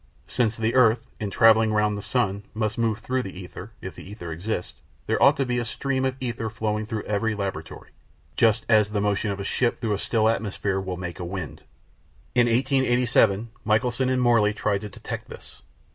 Since the earth, in travelling round the sun, must move through the ether if the ether exists, there ought to be a stream of ether flowing through every laboratory; just as the motion of a ship through a still atmosphere will make "a wind." In 1887 Michelson and Morley tried to detect this.